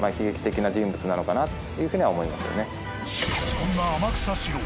［そんな天草四郎